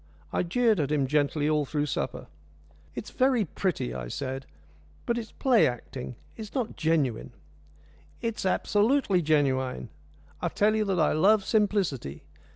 I jeered at him gently all through supper. "It's very pretty," I said, "but it is play acting. It's not genuine." "It is absolutely genuine. I tell you that I love simplicity.